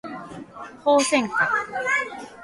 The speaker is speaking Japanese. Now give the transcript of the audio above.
ホウセンカ